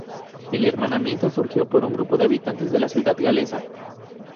El hermanamiento surgió por un grupo de habitantes de la ciudad galesa.